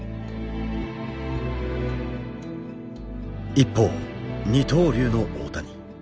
一方二刀流の大谷。